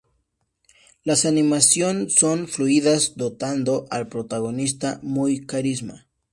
Las animación son fluidas, dotando al protagonista Maui carisma.